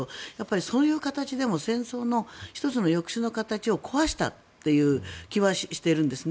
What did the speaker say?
そういう形でも戦争の１つの抑止の形を壊したという気はしているんですね。